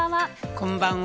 こんばんは。